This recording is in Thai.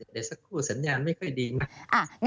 เดี๋ยวสักครู่สัญญาณไม่ค่อยดีไง